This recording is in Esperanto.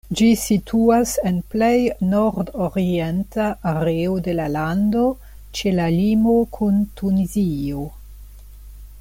Ĝi situas en plej nordorienta areo de la lando, ĉe la limo kun Tunizio.